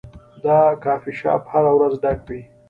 دا کافي شاپ هره ورځ ډک وي.